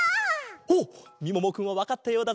おっみももくんはわかったようだぞ！